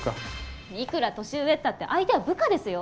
いくら年上ったって相手は部下ですよ。